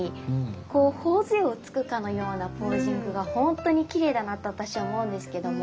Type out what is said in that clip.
こう頬づえをつくかのようなポージングがほんとにきれいだなと私は思うんですけども。